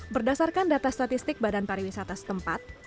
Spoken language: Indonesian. berdasarkan data statistik badan pariwisata setempat